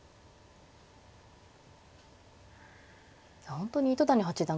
本当に糸谷八段